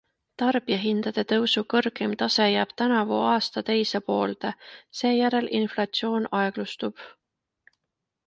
Tarbijahindade tõusu kõrgeim tase jääb tänavu aasta teise poolde, seejärel inflatsioon aeglustub.